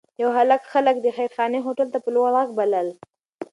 یو هلک خلک د خیرخانې هوټل ته په لوړ غږ بلل.